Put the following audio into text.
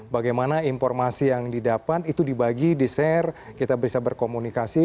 bagaimana informasi yang didapat itu dibagi di share kita bisa berkomunikasi